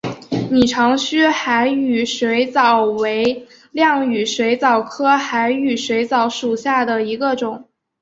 拟长须海羽水蚤为亮羽水蚤科海羽水蚤属下的一个种。